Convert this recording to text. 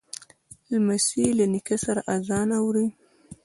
لمسی له نیکه سره آذان اوري.